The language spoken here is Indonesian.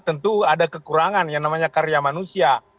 tentu ada kekurangan yang namanya karya manusia